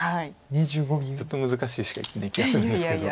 ずっと難しいしか言ってない気がするんですけど。